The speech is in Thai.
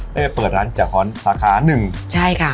ได้ไปเปิดร้านเจ้าฮอลสาขานึงใช่ค่ะ